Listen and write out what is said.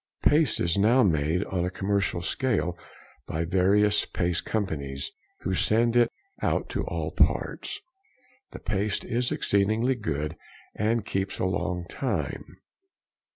Paste is now made on a commercial scale by various Paste Cos., who send it out to all parts. The paste is exceedingly good, and keeps a long time.